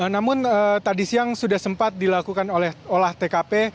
namun tadi siang sudah sempat dilakukan oleh olah tkp